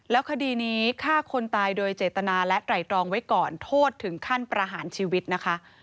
แล้วคดีนี้ฆ่าคนตายโดยเจตนาและไตรตรองไว้ก่อนโทษถึงขั้นประหารชีวิตนะคะ